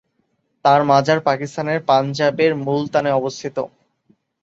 তাঁর মাজার পাকিস্তানের পাঞ্জাবের মুলতানে অবস্থিত।